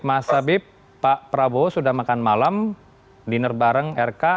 mas habib pak prabowo sudah makan malam dinner bareng rk